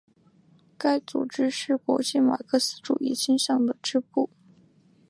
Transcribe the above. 该组织是国际马克思主义倾向的支部。